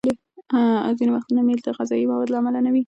ځینې وختونه میل د غذايي موادو له امله نه وي.